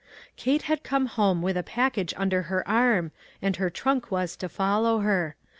Kate had come home with a package under her .arm, and her trunk was to follow her.